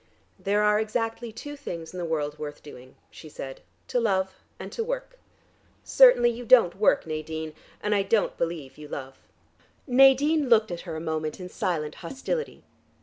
"There are exactly two things in the world worth doing," she said, "to love and to work. Certainly you don't work, Nadine, and I don't believe you love." Nadine looked at her a moment in silent hostility.